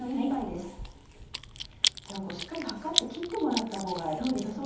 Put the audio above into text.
しっかり量って切ってもらったほうがよさそうですね。